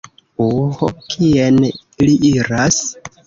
Uh... kien li iras?